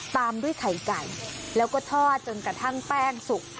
ตามด้วยไข่ไก่แล้วก็ทอดจนกระทั่งแป้งสุก